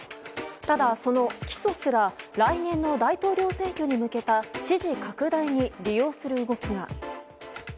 ただ、その起訴すら来年の大統領選挙に向けた支持拡大に利用する動きが。